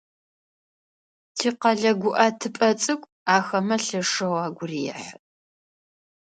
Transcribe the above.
Тикъэлэ гуӏэтыпӏэ цӏыкӏу ахэмэ лъэшэу агу рехьы.